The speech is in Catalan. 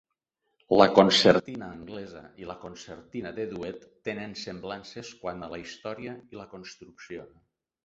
La "concertina anglesa" i la "concertina de duet" tenen semblances quant a la història i la construcció.